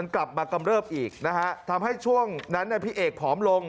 กลับมากำเริบอีกนะฮะทำให้ช่วงนั้นพี่เอกผอมลง